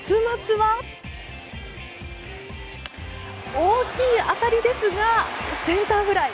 大きい当たりですがセンターフライ。